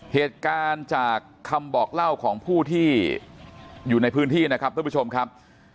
เหตุการณ์จากคำบอกเล่าของผู้ที่อยู่ในพื้นที่นะครับท่านผู้ชมครับ